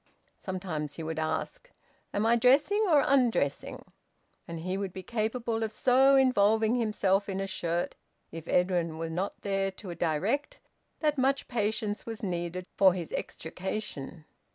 Sometimes he would ask, "Am I dressing or undressing?" And he would be capable of so involving himself in a shirt, if Edwin were not there to direct, that much patience was needed for his extrication.